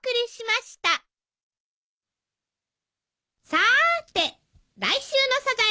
さーて来週の『サザエさん』は？